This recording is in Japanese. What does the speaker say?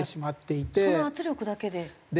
その圧力だけで？